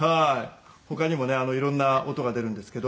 他にもね色んな音が出るんですけど。